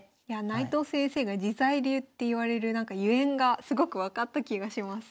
内藤先生が自在流っていわれるゆえんがすごく分かった気がします。